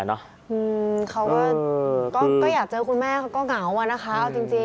เขาก็อยากเจอคุณแม่เขาก็เหงาอะนะคะเอาจริง